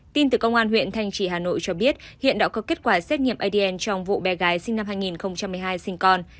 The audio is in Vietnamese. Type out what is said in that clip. tin từ công an huyện thanh trì hà nội cho biết hiện đã có kết quả xét nghiệm adn trong vụ bé gái sinh năm hai nghìn một mươi hai sinh con